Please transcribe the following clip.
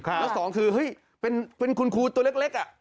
และ๒คือเป็นคุณครูตัวเล็กอ่ะ